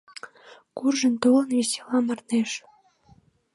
Куржын толын весела мардеж.